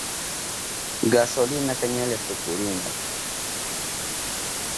Gasolinaka ñalla tukurinka.